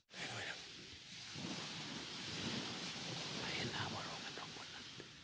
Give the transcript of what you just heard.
ไม่เคยชัมเจอทุกท่าน